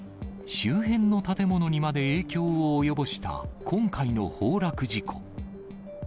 周辺の建物にまで影響を及ぼした今回の崩落事故。